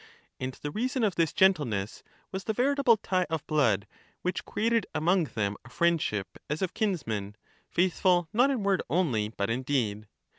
And the reason of this gentleness was Menextnus. the veritable tie of blood, which created among them a friend Socrates. ship as of kinsmen, faithful not in word only, but in deed.